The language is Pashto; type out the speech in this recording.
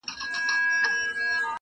کلونه کېږي د بلا په نامه شپه ختلې.!